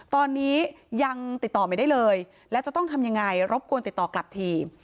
ตอนนี้ยังติดต่อไม่ได้เลยและจะต้องทำยังไงรบกวนติดต่อกลับทีม